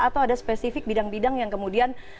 atau ada spesifik bidang bidang yang kemudian